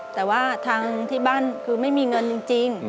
แต่ว่าทางที่บ้านคือไม่มีเงินจริง